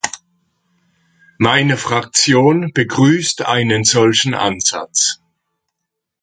Meine Fraktion begrüßt einen solchen Ansatz.